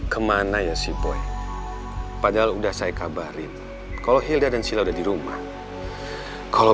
kemana ya si boy padahal udah saya kabarin kalau hilda dan sila udah di rumah kalau